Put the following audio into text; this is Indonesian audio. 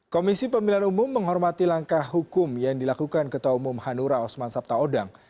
komisi pemilihan umum menghormati langkah hukum yang dilakukan ketua umum hanura osman sabtaodang